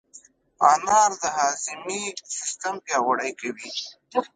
انار د هاضمې سیستم پیاوړی کوي.